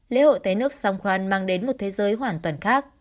lễ hội té nước songkran mang đến một thế giới hoàn toàn khác